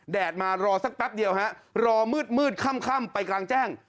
มารอสักแป๊บเดียวฮะรอมืดค่ำไปกลางแจ้ง